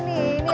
kok berhenti sih